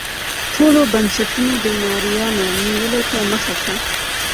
ټولو بنسټونو د مریانو نیولو ته مخه کړه.